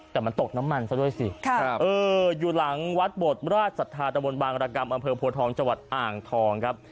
แต่มันตกน้ำมันซะด้วยสิครับอยู่หลังวัดบทราชสัตว์ธรรมบางรกรรมอำเภอภูทองจอ่างทองครับ